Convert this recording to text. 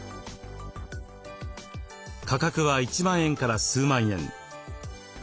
価格は１万円から数万円。